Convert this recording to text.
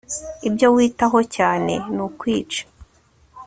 ibyo witaho cyane ni ukwica